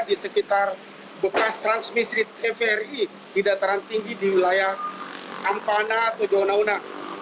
di sekitar bekas transmisi tvri di dataran tinggi di wilayah ampana tojo una una